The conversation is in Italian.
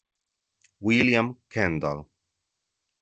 William Kendall